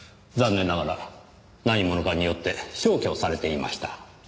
残念ながら何者かによって消去されていました。